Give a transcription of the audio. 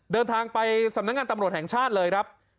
เดินทางไปสำนักงานตำรวจแห่งชาติเลยครับ